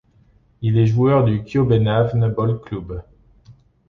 Il est joueur de Kjøbenhavns Boldklub.